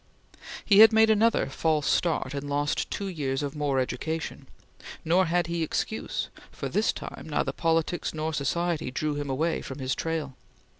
He had made another false start and lost two years more of education; nor had he excuse; for, this time, neither politics nor society drew him away from his trail.